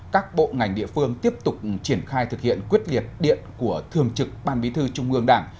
các bộ ngành địa phương tiếp tục triển khai thực hiện quyết liệt điện của thường trực ban bí thư trung ương đảng